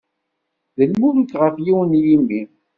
D lmuluk ɣef yiwen n yimi.